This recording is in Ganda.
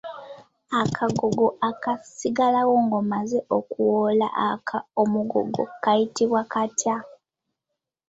Akagogo akasigalawo ng’omaze okuwoola omugogo kayitibwa katya?